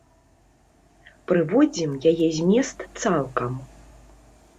Прыводзім яе змест цалкам.